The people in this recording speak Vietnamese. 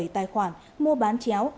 một mươi bảy tài khoản mua bán chéo